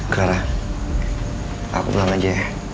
clara aku bilang aja ya